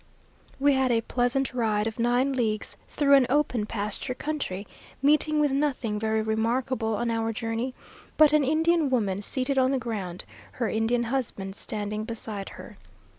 We had a pleasant ride of nine leagues through an open pasture country, meeting with nothing very remarkable on our journey, but an Indian woman seated on the ground, her Indian husband standing beside her.